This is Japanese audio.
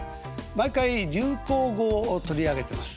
毎回流行語を取り上げてます。